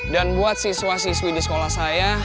dan buat siswa siswi di sekolah saya